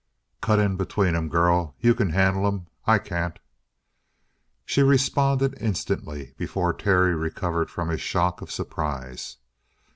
"Cut in between 'em, girl. You can handle 'em. I can't!" She responded instantly, before Terry recovered from his shock of surprise.